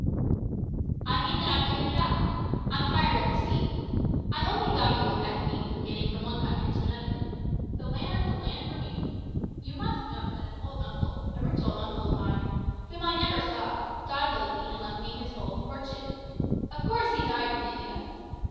"I mean that I've given it up. I'm tired of the sea. I only value it as a means of getting from one country to another. The land, the land for me! You must know that an old uncle, a rich old uncle of mine, whom I never saw, died lately and left me his whole fortune. Of course he died in India.